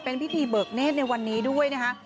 เป็นพิธีเบิกเนธในวันนี้ด้วยนะคะ